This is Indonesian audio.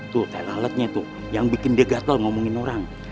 tuh telaletnya tuh yang bikin dia gatel ngomongin orang